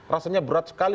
rasanya berat sekali